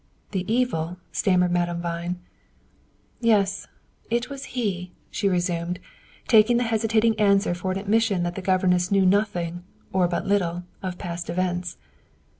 "The evil " stammered Madame Vine. "Yes, it was he," she resumed, taking the hesitating answer for an admission that the governess knew nothing, or but little, of past events.